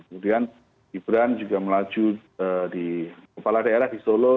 kemudian gibran juga melaju di kepala daerah di solo